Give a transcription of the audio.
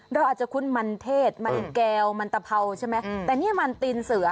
เราอาจจะคุ้นมันเทศมันแก้วมันตะเพราใช่ไหมแต่นี่มันตีนเสือ